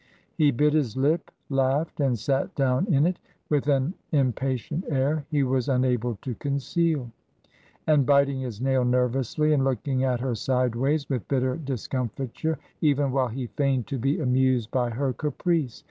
He bit his lip, laughed, and sat down in it, with an impatient air he was unable to conceal; and biting his naU nervously, and looking at her sideways, with bitter discomfiture, even while he feigned to be amused by her caprice.